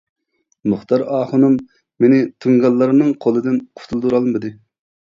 مۇختەر ئاخۇنۇم مېنى تۇڭگانلارنىڭ قولىدىن قۇتۇلدۇرالمىدى.